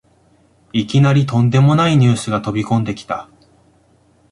いきなりとんでもないニュースが飛びこんできた